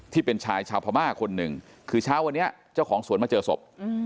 ที่เป็นชายชาวพม่าคนหนึ่งคือเช้าวันนี้เจ้าของสวนมาเจอศพ